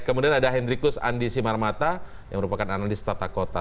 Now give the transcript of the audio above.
kemudian ada hendrikus andi simarmata yang merupakan analis tata kota